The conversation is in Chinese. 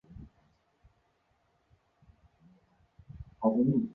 但之后几场比赛的失利使得他们最终排名联赛第五名。